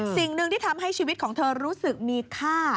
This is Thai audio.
สิ่งหนึ่งที่ทำให้ชีวิตของเธอรู้สึกมีค่า